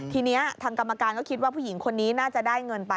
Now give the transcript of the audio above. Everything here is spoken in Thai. ทีนี้ทางกรรมการก็คิดว่าผู้หญิงคนนี้น่าจะได้เงินไป